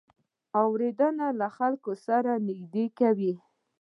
اورېدنه له خلکو سره نږدې کوي.